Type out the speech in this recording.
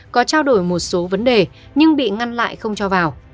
có trao đổi một số vấn đề nhưng bị ngăn lại không cho vào